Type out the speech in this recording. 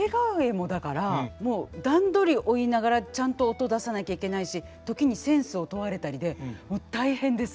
もう段取り追いながらちゃんと音出さなきゃいけないし時にセンスを問われたりでもう大変です